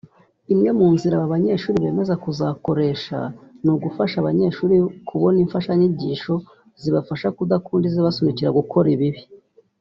Imwe mu nzira aba banyehuri bemeza bashobora kuzakoresha ni ugufasha abanyeshuri kubona imfashanyigisho zibafasha kudkunda izibasunikira gukora ibibi